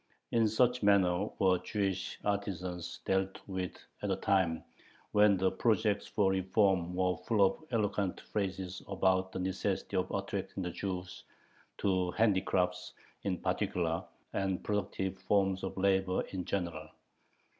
In such manner were Jewish artisans dealt with at a time when the projects for reform were full of eloquent phrases about the necessity of attracting the Jews to handicrafts in particular and productive forms of labor in general.